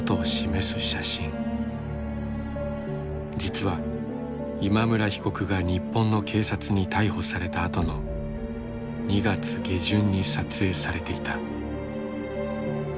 実は今村被告が日本の警察に逮捕されたあとの２月下旬に撮影されていた。